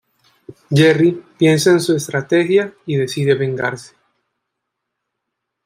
Jerry piensa en su estrategia y decide vengarse.